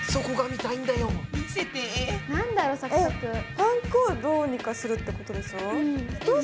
パン粉をどうにかするってことでしょ。